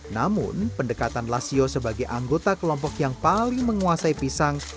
namun pendekatan lasio sebagai anggota kelompok yang paling menguasai pisang